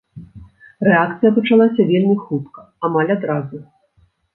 Рэакцыя пачалася вельмі хутка, амаль адразу.